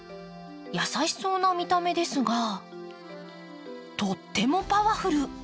優しそうな見た目ですがとってもパワフル。